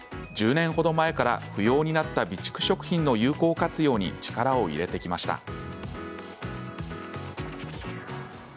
１０年ほど前から不要になった備蓄食品の有効活用に力を入れてきました。